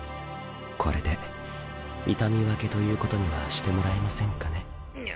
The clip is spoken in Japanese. これで痛み分けということにはしてもらえませんかね。